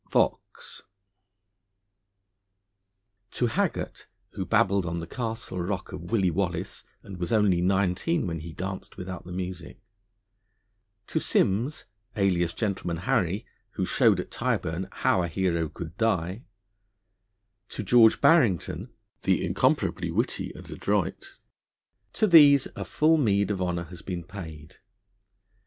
VAUX TO Haggart, who babbled on the Castle Rock of Willie Wallace and was only nineteen when he danced without the music; to Simms, alias Gentleman Harry, who showed at Tyburn how a hero could die; to George Barrington, the incomparably witty and adroit to these a full meed of honour has been paid.